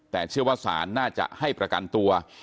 แต่เชื่อว่าศาลน่าจะให้ประกันตัว